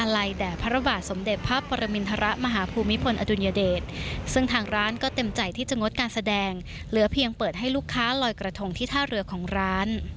และต้องเปิดให้ลูกค้าลอยกระทงที่ท่าเรือของร้าน